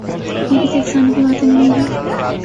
یہ کسی افسانے کی باتیں نہیں ہیں۔